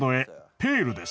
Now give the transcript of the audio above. ペールです。